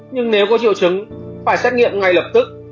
nhưng nếu có triệu chứng phải xét nghiệm ngay lập tức